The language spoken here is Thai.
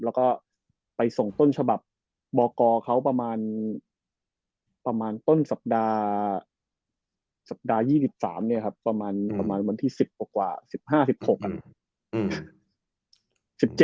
แล้วก็ไปส่งต้นฉบับบกเขาประมาณต้นสัปดาห์สัปดาห์๒๓เนี่ยครับประมาณวันที่๑๐กว่า๑๕๑๖กัน